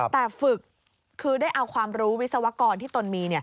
แต่ฝึกคือได้เอาความรู้วิศวกรที่ตนมี